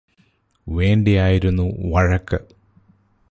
വേണ്ടിയായിരുന്നു വഴക്ക്